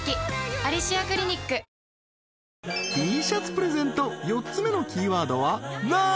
［Ｔシャツプレゼント４つ目のキーワードは「な」］